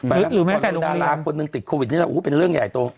ไปแล้วคนหนึ่งดาราติดโควิดโอ้โฮเป็นเรื่องใหญ่โต